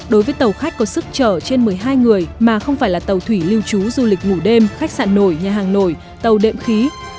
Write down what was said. đối với tàu khách có sức chở trên một mươi hai người mà không phải là tàu thủy lưu trú du lịch ngủ đêm khách sạn nổi nhà hàng nổi tàu đệm khí